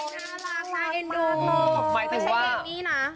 โอ้โหน่ารักค่ะเอ็นดูใส่เกมี่นะ